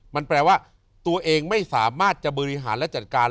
มันแปลว่าตัวเองไม่สามารถจะบริหารและจัดการ